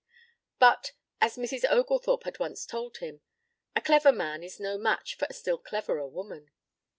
But, as Mrs. Oglethorpe had once told him, a clever man is no match for a still cleverer woman.